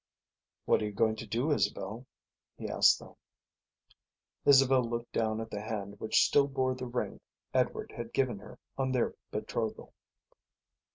"What are you going to do, Isabel?" he asked then. Isabel looked down at the hand which still bore the ring Edward had given her on their betrothal.